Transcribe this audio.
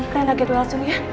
keren agak jauh langsung ya